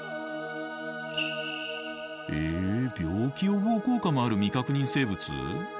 え病気予防効果もある未確認生物！？